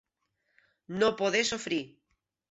No poder sofrir.